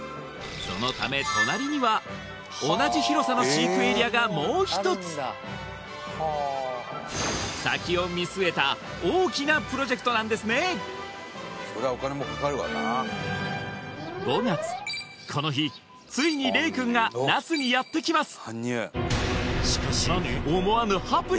そのため隣には同じ広さの飼育エリアがもう一つ先を見据えた大きなプロジェクトなんですね５月この日ついに令くんが那須にやってきます